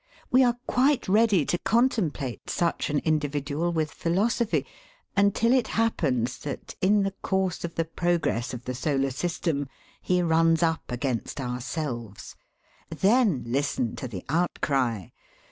We are quite ready to contemplate such an individual with philosophy until it happens that, in the course of the progress of the solar system, he runs up against ourselves. Then listen to the outcry!